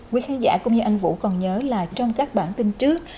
quý khán giả cũng như anh vũ còn nhớ là trong các bản tin trước